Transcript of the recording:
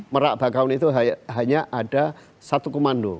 merak bakaun itu hanya ada satu komando